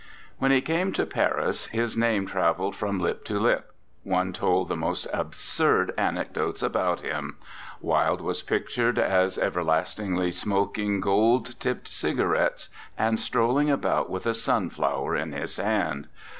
When he came to Paris, his name traveled from lip to lip; one told the most absurd anecdotes about him: Wilde was pictured as everlastingly smoking gold tipped cigarettes and stroll ing about with a sunflower in his hand.